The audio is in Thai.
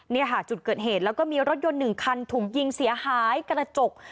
นี่ค่ะจุดเกิดเหตุแล้วก็มีรถยนต์หนึ่งคันถูกยิงเสียหายกระจก